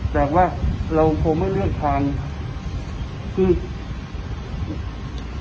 แต่ว่าเราคงไม่เลือกทางคือ